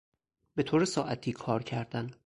به طور ساعتی کار کردن